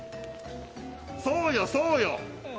そうよ、そうよ！